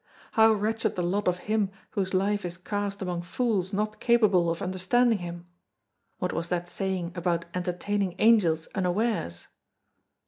How wretched the lot of him whose life is cast among fools not capable of understanding him; what was that saying about entertaining angels unawares?